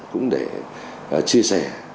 cũng để chia sẻ